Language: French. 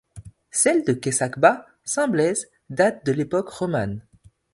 Celle de Queyssac-Bas, Saint-Blaise, date de l'époque romane.